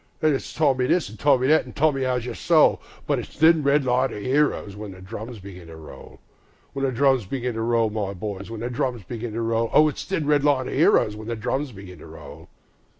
Then it's Tommy this, an' Tommy that, an' "Tommy, 'ow's yer soul?" But it's "Thin red line of 'eroes" when the drums begin to roll, The drums begin to roll, my boys, the drums begin to roll, O it's "Thin red line of 'eroes" when the drums begin to roll.